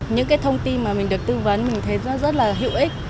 những cái thông tin mà mình được tư vấn mình thấy rất là hữu ích